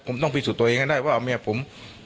ผมต้องพิสูจน์ตัวเองให้ได้ว่าเอาเมียผม